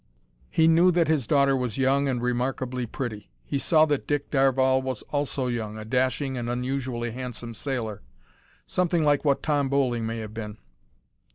He knew that his daughter was young and remarkably pretty. He saw that Dick Darvall was also young a dashing and unusually handsome sailor something like what Tom Bowling may have been.